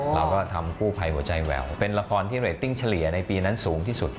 เราก็ทำกู้ภัยหัวใจแหววเป็นละครที่เรตติ้งเฉลี่ยในปีนั้นสูงที่สุด